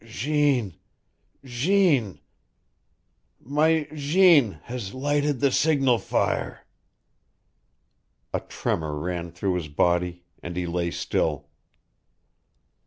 Jeanne Jeanne my Jeanne has lighted the signal fire!" A tremor ran through his body, and he lay still.